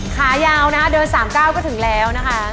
ขายาวนะเดินสามก้าวก็ถึงแล้วนะคะ